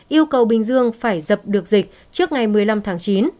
yêu cầu bình dương phải dập được dịch trước ngày một mươi năm tháng chín